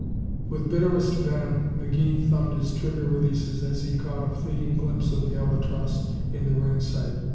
With bitterest venom McGee thumbed his trigger releases as he caught a fleeting glimpse of the Albatross in the ring sight.